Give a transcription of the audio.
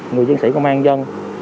người diễn sĩ công an dân